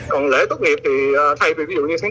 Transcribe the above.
còn lễ tốt nghiệp thì thay vì ví dụ như tháng chín